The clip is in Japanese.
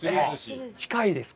近いですか？